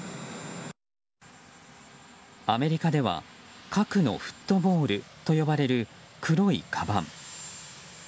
アメリカでは核のフットボールと呼ばれる黒いかばん。